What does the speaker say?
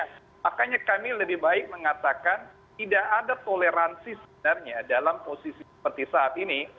makanya kami lebih baik mengatakan tidak ada toleransi sebenarnya dalam posisi seperti saat ini